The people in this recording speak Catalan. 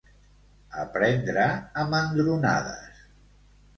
Aprendre a mandronades.